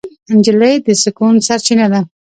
نجلۍ د سکون سرچینه ده.